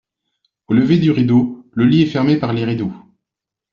Au lever du rideau, le lit est fermé par les rideaux.